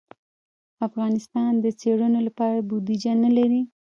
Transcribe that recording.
افغانستان د څېړنو لپاره بودیجه نه لري.